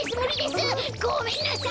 ごめんなさい！